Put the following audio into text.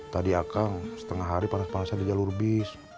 tadi akang setengah hari panas panasan di jalur bis